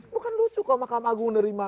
bukan lucu kok makam agung nerima